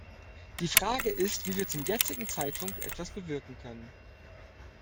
Die Frage ist, wie wir zum jetzigen Zeitpunkt etwas bewirken können.